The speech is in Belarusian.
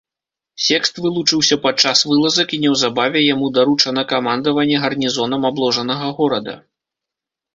Секст вылучыўся падчас вылазак і неўзабаве яму даручана камандаванне гарнізонам абложанага горада.